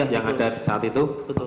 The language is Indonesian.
yang ada saat itu